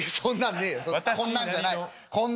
こんなんじゃない。